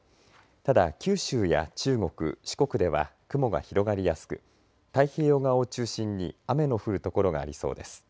ただ、九州や中国四国では雲が広がりやすく太平洋側を中心に雨の降る所がありそうです。